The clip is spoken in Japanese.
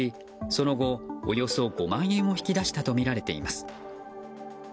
その後、およそ５万円を引き出したとみられています。